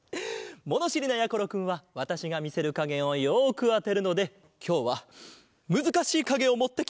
ものしりなやころくんはわたしがみせるかげをよくあてるのできょうはむずかしいかげをもってきました。